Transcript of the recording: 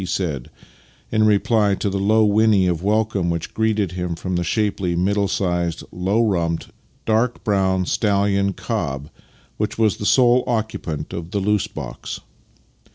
" he said in reply to the low whinny of welcome which greeted him from the shapely, middle sized, low rumped, dark brown stallion cob which was the sole occupant of the loose box.